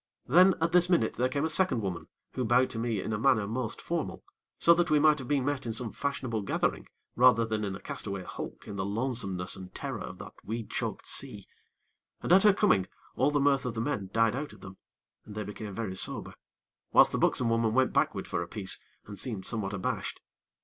Then, at this minute, there came a second woman, who bowed to me in a manner most formal, so that we might have been met in some fashionable gathering, rather than in a cast away hulk in the lonesomeness and terror of that weed choked sea; and at her coming all the mirth of the men died out of them, and they became very sober, whilst the buxom woman went backward for a piece, and seemed somewhat abashed.